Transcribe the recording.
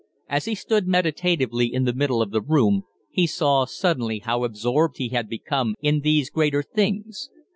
As he stood meditatively in the middle of the room he saw suddenly how absorbed he had become in these greater things.